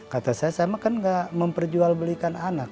kata saya saya mah kan nggak memperjualbelikan anak